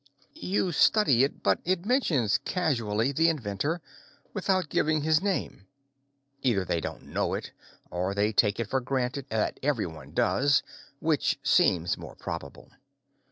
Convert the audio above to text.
You study it, but it mentions casually the inventor, without giving his name. Either they don't know it, or they take it for granted that everyone does, which seems more probable.